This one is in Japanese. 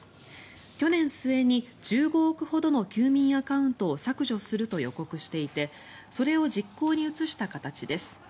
去年末に１５億ほどの休眠アカウントを削除すると予告していてそれを実行に移した形です。